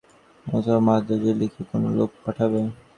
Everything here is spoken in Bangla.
অথবা মান্দ্রাজে লিখে কোন লোক পাঠাবে।